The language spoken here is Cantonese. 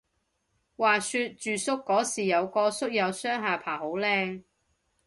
話說住宿嗰時有個宿友雙下巴好靚